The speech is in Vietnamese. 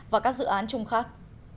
và các dự án chung khác